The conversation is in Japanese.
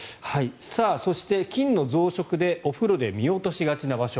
そして、菌の増殖でお風呂で見落としがちな場所